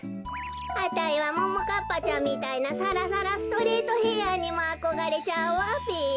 あたいはももかっぱちゃんみたいなさらさらストレートヘアにもあこがれちゃうわべ。